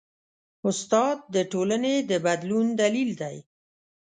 استاد د ټولنې د بدلون دلیل دی.